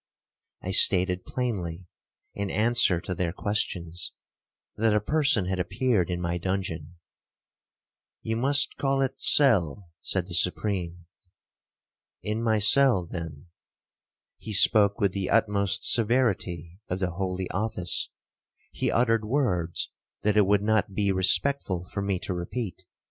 I stated plainly, in answer to their questions, that a person had appeared in my dungeon. 'You must call it cell,' said the Supreme. 'In my cell, then. He spoke with the utmost severity of the holy office,—he uttered words that it would not be respectful for me to repeat.